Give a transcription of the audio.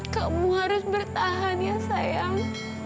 kamu harus bertahan ya sayang